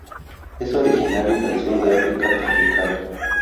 Es originario del sur de África tropical.